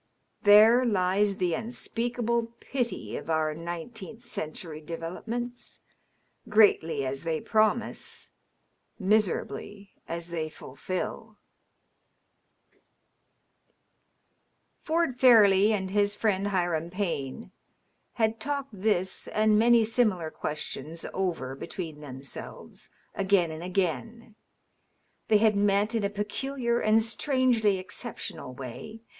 There lies the unspeakable pity of our nineteenth century developments, greatly as they promise, miserably as they fulfil ! Ford Fairleigh and his friend Hiram Payne had talked this and many similar questions ofer between themselves again and again. They had met in a peculiar and strangely exceptional way.